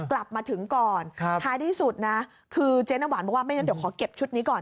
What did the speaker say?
กลับมาถึงก่อนท้ายที่สุดนะคือเจ๊น้ำหวานบอกว่าไม่งั้นเดี๋ยวขอเก็บชุดนี้ก่อน